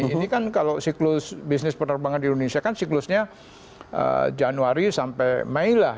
ini kan kalau siklus bisnis penerbangan di indonesia kan siklusnya januari sampai mei lah